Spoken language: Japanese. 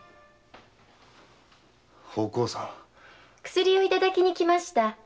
薬をいただきに来ました。